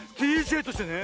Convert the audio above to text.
ＤＪとしてね